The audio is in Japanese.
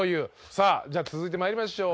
さあじゃあ続いて参りましょう。